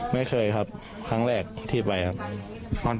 ไม่เคยครับครั้งแรกที่ไปครับ